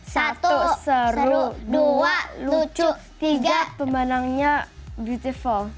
satu seru dua lucu tiga pemenangnya beautiful